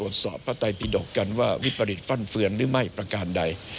โดดกันว่าวิปริตฟันเฟือนหรือไม่ประการใด